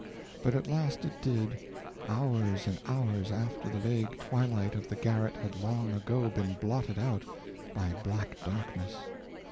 But at last it did, hours and hours after the vague twilight of the garret had long ago been blotted out by black darkness.